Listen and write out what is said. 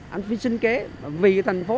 anh phải sinh kế vì thành phố